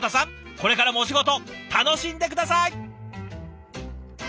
これからもお仕事楽しんで下さい。